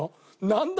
なんだ？